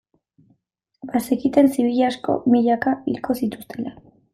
Bazekiten zibil asko, milaka, hilko zituztela.